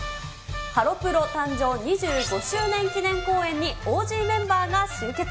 ハロプロ誕生２５周年記念公演にＯＧメンバーが集結。